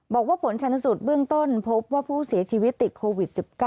บอกว่าผลชนสูตรเบื้องต้นพบว่าผู้เสียชีวิตติดโควิด๑๙